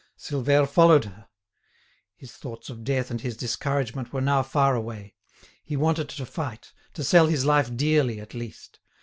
Silvère followed her. His thoughts of death and his discouragement were now far away. He wanted to fight, to sell his life dearly at least.